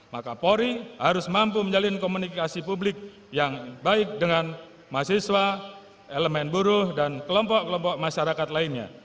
maka polri harus mampu menjalin komunikasi publik yang baik dengan mahasiswa elemen buruh dan kelompok kelompok masyarakat lainnya